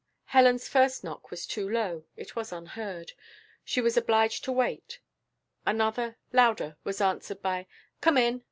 Helen's first knock was too low, it was unheard, she was obliged to wait; another, louder, was answered by, "Come in."